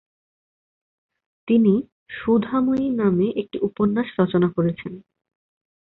তিনি "সুধাময়ী" নামে একটি উপন্যাস রচনা করেছেন।